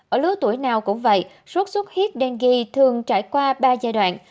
ở lứa tuổi nào cũng vậy sốt xuất huyết dengue thường trải qua ba giai đoạn